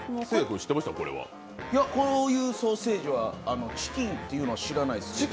こういうソーセージはチキンというのは知らないです。